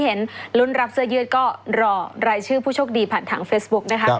เห็นลุ้นรับเสื้อยืดก็รอรายชื่อผู้โชคดีผ่านทางเฟซบุ๊คนะคะ